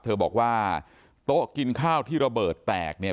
เธอบอกว่าโต๊ะกินข้าวที่ระเบิดแตกเนี่ย